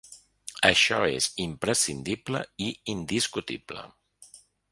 Això és imprescindible i indiscutible.